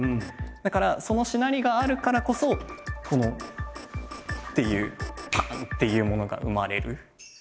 だからそのしなりがあるからこそこのっていうパン！っていうものが生まれる。